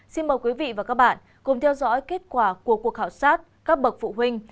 xin mời quý vị và các bạn cùng theo dõi kết quả của cuộc khảo sát các bậc phụ huynh